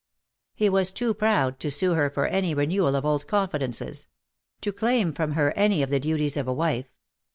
He was too proud to sue to her for any renewal of old confidences — to claim from her any of the duties of a wife.